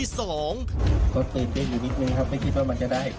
รสตีนดิ้งงิดครับไม่คิดว่ามันจะได้